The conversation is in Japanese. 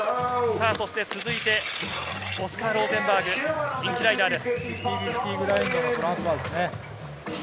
続いて、オスカー・ローゼンバーグ、人気ライダーです。